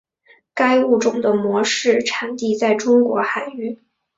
该物种的模式产地在中国海域。